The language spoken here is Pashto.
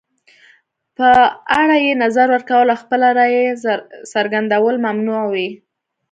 په اړه یې نظر ورکول او خپله رایه څرګندول ممنوع وي.